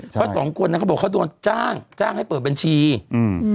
เพราะสองคนนั้นเขาบอกเขาโดนจ้างจ้างให้เปิดบัญชีอืม